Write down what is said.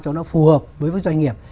cho nó phù hợp với doanh nghiệp